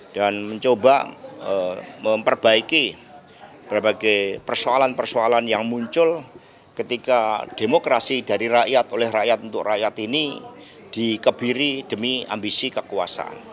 dan mencoba memperbaiki berbagai persoalan persoalan yang muncul ketika demokrasi dari rakyat oleh rakyat untuk rakyat ini dikebiri demi ambisi kekuasaan